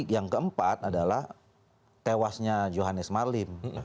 yang keempat adalah tewasnya johannes marlim